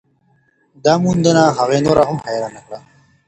دا موندنه هغې نوره هم حیرانه کړه.